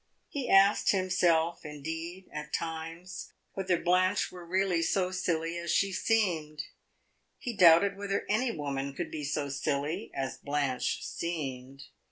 He asked himself indeed at times whether Blanche were really so silly as she seemed; he doubted whether any woman could be so silly as Blanche seemed.